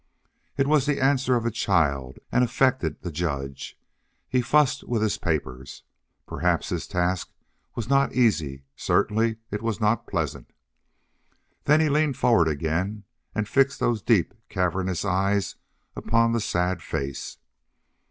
It was the answer of a child and affected the judge. He fussed with his papers. Perhaps his task was not easy; certainly it was not pleasant. Then he leaned forward again and fixed those deep, cavernous eyes upon the sad face.